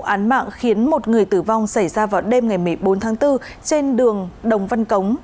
vụ án mạng khiến một người tử vong xảy ra vào đêm ngày một mươi bốn tháng bốn trên đường đồng văn cống